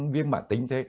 viêm mạng tính thế